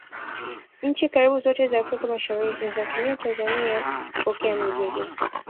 nchi karibu zote za africa mashariki zinatumia tanzania kupokea mizigo